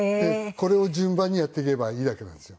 これを順番にやっていけばいいだけなんですよ。